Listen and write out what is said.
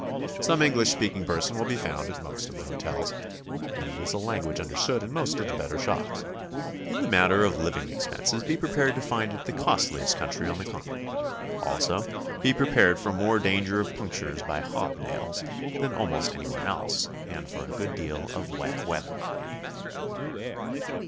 Some Eng lish speaking person will be found at most of the hotels, and it is a language understood in most of the better shops. In the matter of living expenses be prepared to find it the cost liest country on the Continent. Also be prepared for more danger of punctures by hob nails than almost anywhere else, and for a good deal of wet weather.